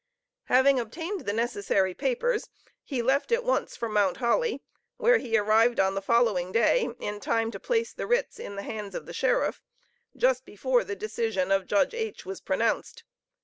Having obtained the necessary papers, he left at once for Mount Holly, where he arrived on the following day, in time to place the writs in the hands of the sheriff, just before the decision of Judge H. was pronounced.